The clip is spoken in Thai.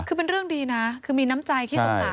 คือเป็นเรื่องดีนะคือมีน้ำใจขี้สงสาร